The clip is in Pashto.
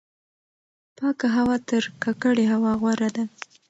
پاکه هوا تر ککړې هوا غوره ده.